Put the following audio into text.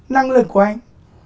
năng lực của anh